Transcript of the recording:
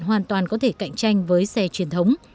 hoàn toàn có thể cạnh tranh với xe truyền thống